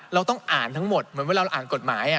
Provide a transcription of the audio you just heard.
เราต้องอ่านทั้งหมดเหมือนเวลาเราอ่านกฎหมาย